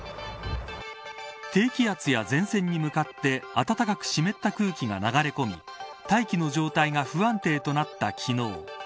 低気圧や前線に向かって暖かく湿った空気が流れ込み大気の状態が不安定となった昨日。